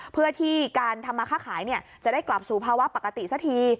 เพื่อที่การทำมาค่าขายจะได้กลับสู่ภาวะปกติสักที